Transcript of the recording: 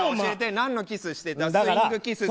何のキスしてた。